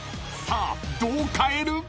［さあどう変える？］